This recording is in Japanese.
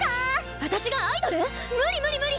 私がアイドル⁉無理無理無理！